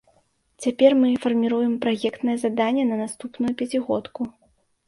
Цяпер мы фарміруем праектнае заданне на наступную пяцігодку.